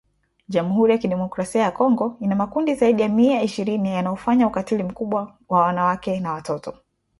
Jamhuri ya Kidemokrasia ya Kongo ina makundi zaidi ya mia ishirini yanayofanya ukatili mkubwa wa wanawake na watoto.